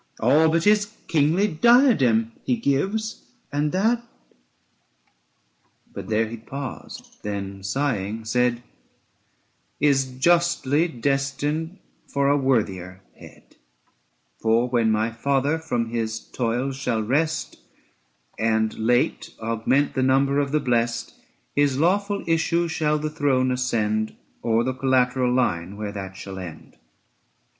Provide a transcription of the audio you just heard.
345 All but his kingly diadem he gives: And that' But there he paused, then sighing said, ' Is justly destined for a worthier head ; For when my father from his toils shall rest And late augment the number of the blest, 350 His lawful issue shall the throne ascend, Or the collateral line, where that shall end.